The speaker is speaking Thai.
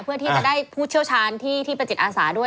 เพื่อที่จะได้ผู้เชี่ยวชาญที่เป็นจิตอาสาด้วย